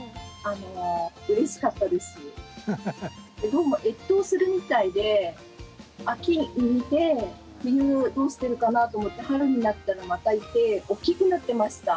どうも越冬するみたいで秋に見て冬どうしてるかなと思って春になったらまたいて大きくなってました。